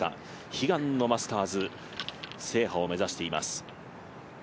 悲願のマスターズ制覇を目指しています。